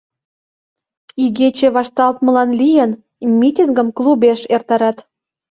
Игече вашталтмылан лийын, митингым клубеш эртарат.